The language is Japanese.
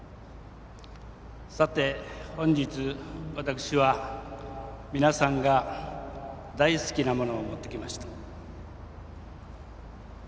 さて本日、私は皆さんが大好きなものを持ってきました。